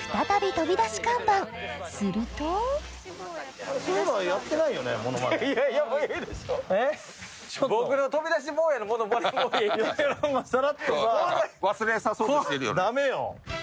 するとダメよ。